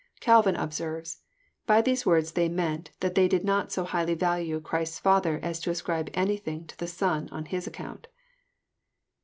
Calvin observes, " By these words they meant that they did not so highly value Christ's Father as to ascribe anything to the Son on His account."